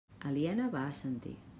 Aliena va assentir.